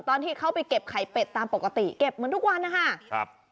ตอนที่เขาไปเก็บไข่เป็ดตามปกติเก็บเหมือนทุกวันนะคะครับ